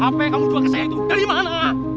handphone yang kamu jual ke saya itu dari mana